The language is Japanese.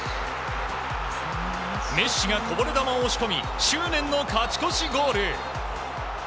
メッシがこぼれ球を押し込み執念の勝ち越しゴール。